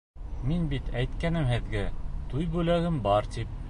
Мин бит әйткәйнем һеҙгә, туй бүләгем бар тип.